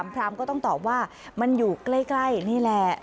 พรามก็ต้องตอบว่ามันอยู่ใกล้นี่แหละ